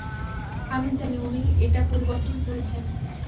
আমি জানি উনি এটা পরিবর্তন করেছেন।